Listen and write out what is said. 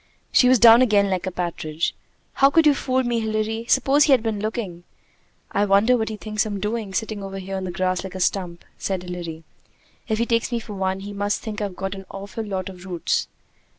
She was down again like a partridge. "How could you fool me, Hilary? Suppose he had been looking!" "I wonder what he thinks I'm doing, sitting over here in the grass like a stump," said Hilary. "If he takes me for one, he must think I've got an awful lot of roots."